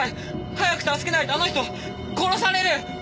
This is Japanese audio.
早く助けないとあの人殺される！